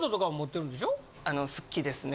好きですね。